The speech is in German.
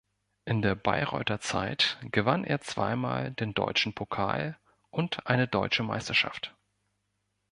In der Bayreuther Zeit gewann er zweimal den Deutschen Pokal und eine Deutsche Meisterschaft.